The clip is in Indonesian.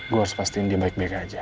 gue harus pastiin dia baik baik aja